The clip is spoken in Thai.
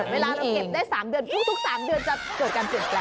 เวลาเราเก็บได้๓เดือนทุก๓เดือนจะเกิดการเปลี่ยนแปลง